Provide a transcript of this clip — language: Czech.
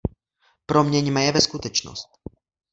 Proměňme je ve skutečnost!